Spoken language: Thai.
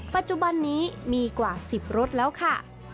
ปัจจุบันนี้มีกว่า๑๐รถแล้วค่ะ